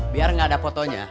biar gak ada fotonya